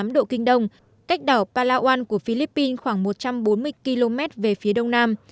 một trăm một mươi tám tám độ kinh đông cách đảo palawan của philippines khoảng một trăm bốn mươi km về phía đông nam